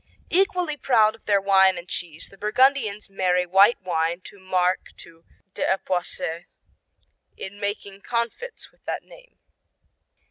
Equally proud of their wine and cheese, the Burgundians marry white wine or marc to d'Epoisses in making confits with that name.